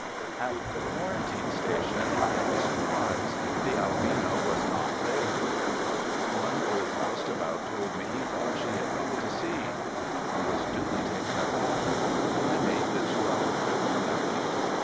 At the quarantine station I had a surprise. The Alvina was not there. One old roustabout told me he thought she had gone to sea. I was duly taken aback. Had I made the two hour trip for nothing?